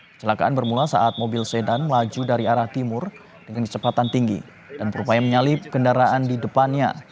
kecelakaan bermula saat mobil sedan melaju dari arah timur dengan kecepatan tinggi dan berupaya menyalip kendaraan di depannya